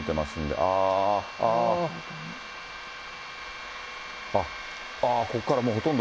あー、ここからもうほとんど。